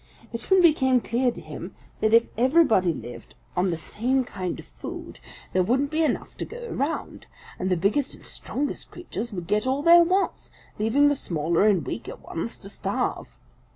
It soon became clear to him that if everybody lived on the same kind of food, there wouldn't be enough to go around, and the biggest and strongest creatures would get all there was, leaving the smaller and weaker ones to starve.